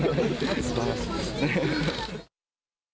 すばらしいですね。